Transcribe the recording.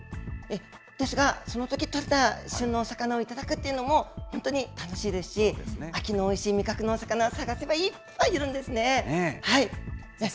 ですが、そのとき旬のお魚を頂くっていうのも、本当に楽しいですし、秋のおいしい味覚のお魚を探せばいっぱいいるんですね。